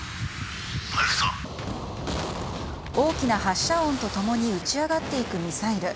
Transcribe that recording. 大きな発射音と共に打ち上がっていくミサイル。